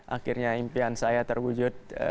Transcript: akhirnya impian saya terwujud